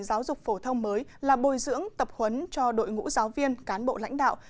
giáo dục phổ thông mới là bồi dưỡng tập huấn cho đội ngũ giáo viên cán bộ lãnh đạo